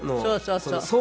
そうそうそう。